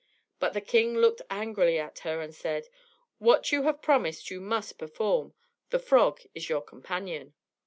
But the king looked angrily at her, and said again: "What you have promised you must perform. The frog is your companion."